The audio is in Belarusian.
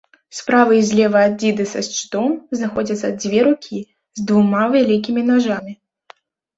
Справа і злева ад дзіды са шчытом знаходзяцца дзве рукі, з двума вялікімі нажамі.